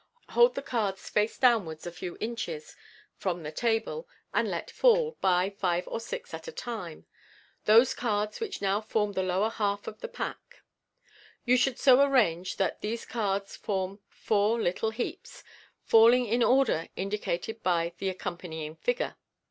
Hold the cards face downwards a few inches from the table, and let fall, by five or six at a time, those cards which now form the lower half of the pack. You should so arrange that these cards form four little heaps, falling in the 1 \=M f&: m ^ M^m Fig. 14. in order indicated by the accompanying figure (Fig.